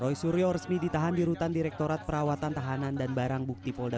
roy suryo resmi ditahan di rutan direktorat perawatan tahanan dan barang bukti polda